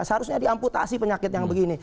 seharusnya diamputasi penyakit yang begini